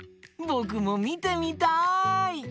ぼくもみてみたい！